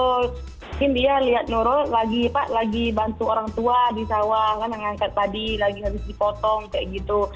mungkin dia lihat nurul lagi bantu orang tua di sawah kan yang ngangkat padi lagi harus dipotong kayak gitu